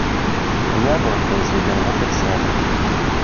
Я был произведен в офицеры.